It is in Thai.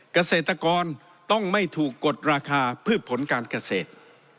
เกษตรกรต้องไม่ถูกกดราคาพืชผลการเกษตร